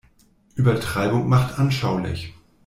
Übertreibung macht anschaulich.